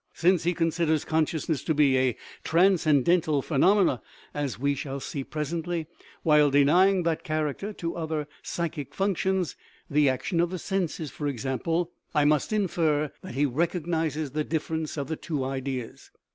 Since he considers consciousness to be a transcendental phenomenon (as we shall see presently), while denying that character to other psy chic functions the action of the senses, for example I 179 THE RIDDLE OF THE UNIVERSE must infer that he recognizes the difference of the two ideas.